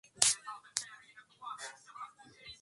nokaini vanokserini na modafinili zinaweza kuwa